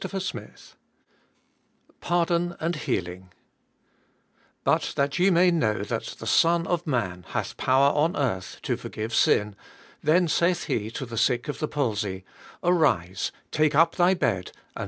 Cbapferl* PARDON AND HEALING Bnt that ye may know that the Son of man hath power on eaiih to forgive sin ithen saith He to the sick of palsy), Arise, take up thy bed and